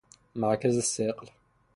مرکز ثقل